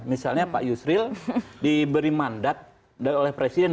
misalnya pak yusril diberi mandat oleh presiden